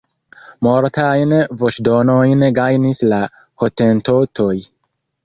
Multajn voĉdonojn gajnis la hotentotoj.